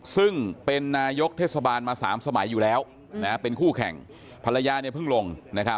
ซึ่งเป็นนายกเทศบาลมา๓สมัยอยู่แล้วเป็นคู่แข่งภรรยาเพิ่งลง